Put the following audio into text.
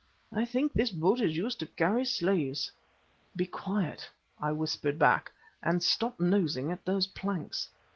I think this boat is used to carry slaves." "Be quiet," I whispered back, "and stop nosing at those planks."